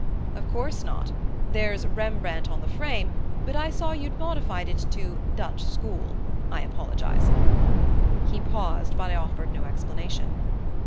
"Of course not. There's 'Rembrandt' on the frame, but I saw you'd modified it to 'Dutch School'; I apologize." He paused, but I offered no explanation.